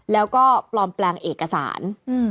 แล้วก็ปลอมแปลงเอกสาร